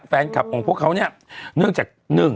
แฟนคลับของพวกเขาเนี่ยเนื่องจาก